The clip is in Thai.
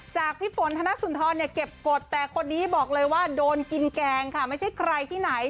พี่ฝนธนสุนทรเนี่ยเก็บกฎแต่คนนี้บอกเลยว่าโดนกินแกงค่ะไม่ใช่ใครที่ไหน